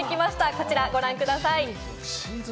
こちらご覧ください。